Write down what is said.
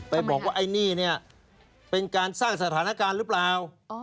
บอกว่าไอ้นี่เนี่ยเป็นการสร้างสถานการณ์หรือเปล่า